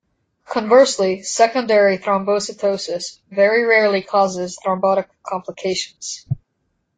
Conversely, secondary thrombocytosis very rarely causes thrombotic complications.